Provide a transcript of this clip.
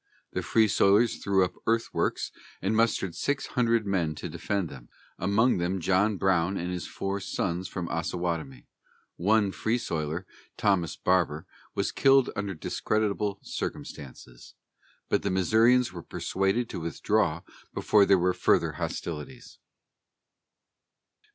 The Free Soilers threw up earthworks and mustered six hundred men to defend them, among them John Brown and his four sons from Osawatomie. One Free Soiler, Thomas Barber, was killed under discreditable circumstances; but the Missourians were persuaded to withdraw before there were further hostilities.